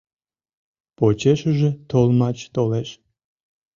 Почешыже толмач толеш.